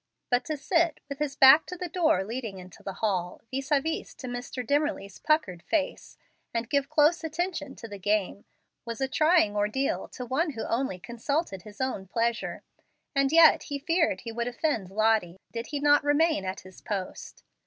But to sit with his back to the door leading into the hall, vis a vis to Mr. Dimmerly's puckered face, and give close attention to the game, was a trying ordeal to one who only consulted his own pleasure. And yet he feared he would offend Lottie, did he not remain at his post.